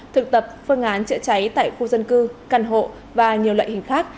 thực tập phương án chữa cháy tại khu dân cư căn hộ và nhiều loại hình khác